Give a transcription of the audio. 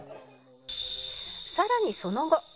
「更にその後」